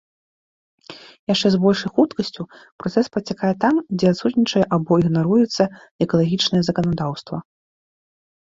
Яшчэ з большай хуткасцю працэс працякае там, дзе адсутнічае або ігнаруецца экалагічнае заканадаўства.